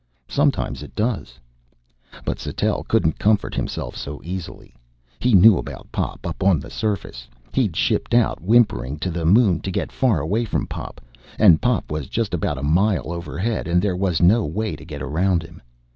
Sometimes it does. But Sattell couldn't comfort himself so easily. He knew about Pop, up on the surface. He'd shipped out, whimpering, to the Moon to get far away from Pop, and Pop was just about a mile overhead and there was no way to get around him.